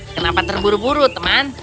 kenapa terburu buru teman